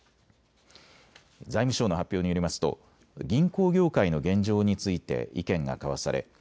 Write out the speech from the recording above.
財務省の発表によりますと銀行業界の現状について意見が交わされ